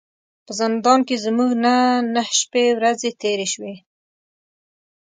په زندان کې زموږ نه نهه شپې ورځې تیرې شوې.